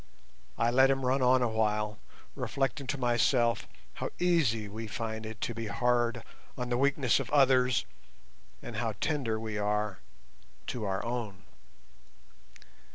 I let him run on awhile, reflecting to myself how easy we find it to be hard on the weaknesses of others, and how tender we are to our own.